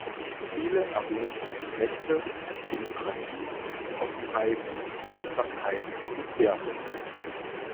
Viele erwähnten Rechte, Demokratie, Offenheit, Wirksamkeit und Werte.